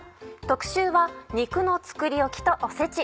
特集は「肉の作りおき」と「おせち」。